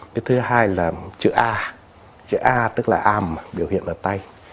cái thứ hai là chữ a chữ a tức là arm biểu hiện ở tay